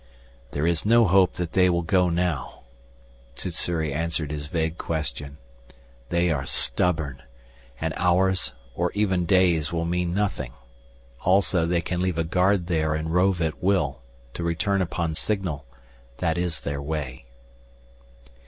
"There is no hope that they will go now," Sssuri answered his vague question. "They are stubborn. And hours or even days will mean nothing. Also they can leave a guard there and rove at will, to return upon signal. That is their way."